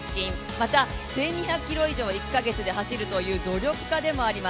また、１２００ｋｍを１か月で走るという努力家でもあります。